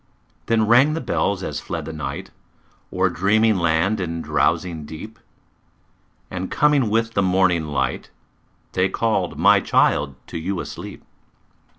Then rang the bells as fled the night O'er dreaming land and drowsing deep, And coming with the morning light, They called, my child, to you asleep.